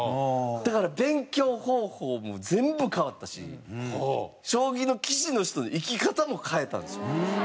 だから勉強方法も全部変わったし将棋の棋士の人の生き方も変えたんですよ。